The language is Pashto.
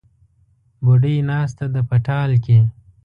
بوډۍ ناسته ده په ټال کې